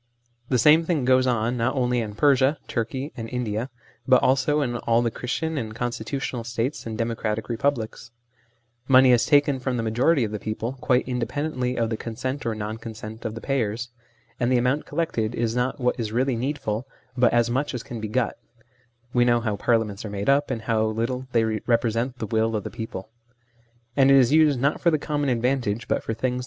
The same thing goes on not only in Persia, Turkey, and India, but also in all the Christian and constitutional States and democratic Republics: money is taken from the majority of the people, quite independently of the consent or non consent of the payers, and the amount collected is not what is really needful, but as much as can be got (we know how Parliaments are made up, and how little they represent the will of the people), and it is used not for the common advantage, but for things the.